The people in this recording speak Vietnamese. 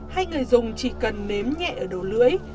hay người dùng chỉ cần nếm nhẹ ở đầu lưỡi